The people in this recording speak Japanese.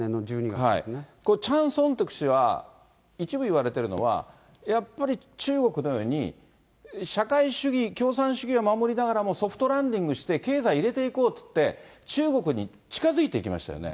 これ、チャン・ソンテク氏は一部いわれてるのは、やっぱり中国のように、社会主義、共産主義を守りながらもソフトランディングして経済入れていこうって言って、中国に近づいていきましたよね。